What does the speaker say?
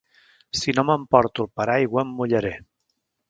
Si no m'emporto el paraigua, em mullaré.